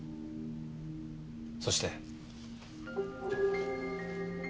そして。